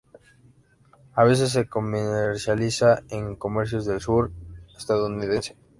A veces se comercializa en comercios del sur estadounidense.